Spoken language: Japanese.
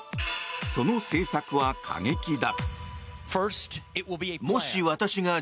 その政策は過激だ。